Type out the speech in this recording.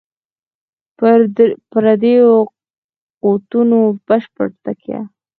پر پردیو قوتونو بشپړه تکیه.